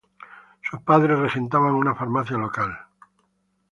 Sus padres regentaban una farmacia local.